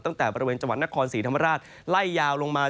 ตั้งแต่บริเวณจังหวัดนครศรีธรรมราชไล่ยาวลงมา